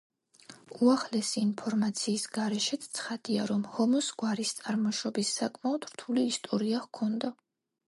უახლესი ინფორმაციის გარეშეც ცხადია, რომ ჰომოს გვარის წარმოშობას საკმაოდ რთული ისტორია ჰქონდა.